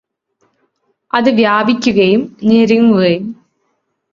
അത് വ്യാപിക്കുകയും ഞെരുങ്ങുകയും